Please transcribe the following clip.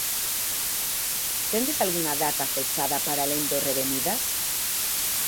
Tendes algunha data fechada para alén do Revenidas?